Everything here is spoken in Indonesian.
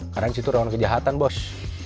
karena di situ rawan kejahatan bos